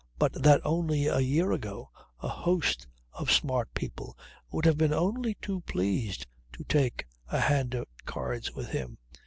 But that only a year ago a host of smart people would have been only too pleased to take a hand at cards with him.